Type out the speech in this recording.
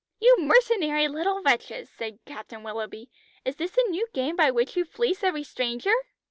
"You mercenary little wretches," said Captain Willoughby. "Is this a new game by which you fleece every stranger?"